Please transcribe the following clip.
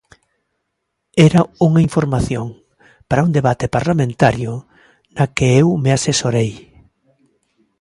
Era unha información para un debate parlamentario na que eu me asesorei.